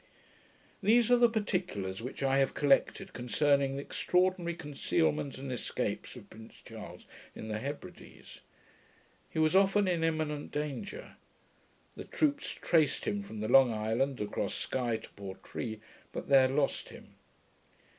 These are the particulars which I have collected concerning the extraordinary concealment and escapes of Prince Charles, in the Hebrides. He was often in imminent danger. The troops traced him from the Long Island, across Sky, to Portree, but there lost him.